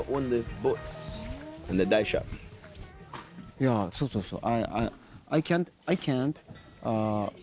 いやそうそうそう。